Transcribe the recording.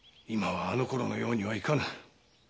今はあの頃のようにはいかぬ。